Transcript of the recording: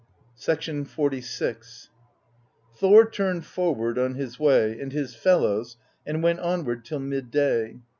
XL VI. "Thor turned forward on his way, and his fellows, and went onward till mid day.